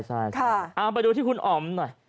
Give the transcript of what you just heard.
ใช่ค่ะเอาไปดูที่คุณอ๋อมหน่อย